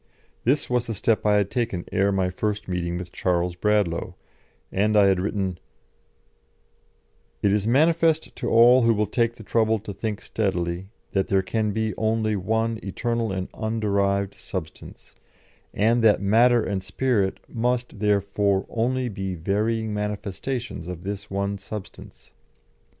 This was the step I had taken ere my first meeting with Charles Bradlaugh, and I had written: "It is manifest to all who will take the trouble to think steadily, that there can be only one eternal and underived substance, and that matter and spirit must, therefore, only be varying manifestations of this one substance.